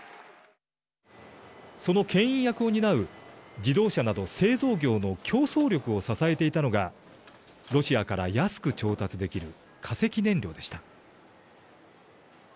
そのけん引役を担う自動車など製造業の競争力を支えていたのがロシアから安く調達できる化石燃料でした。